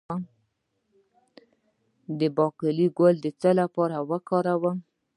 د باقلي ګل د څه لپاره وکاروم؟